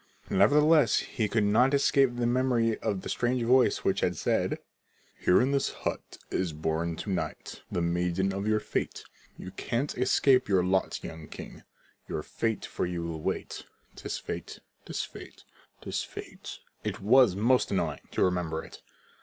Nevertheless he could not escape the memory of the strange voice which had said: "Here in this hut is born to night The maiden of your fate: You can't escape your lot, young king; Your fate for you will wait. 'Tis fate 'tis fate 'tis fate." It was most annoying to remember it.